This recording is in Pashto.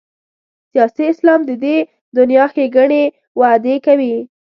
سیاسي اسلام د دې دنیا ښېګڼې وعدې کوي.